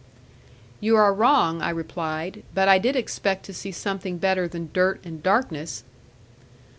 'You are wrong,' I replied; 'but I did expect to see something better than dirt and darkness.'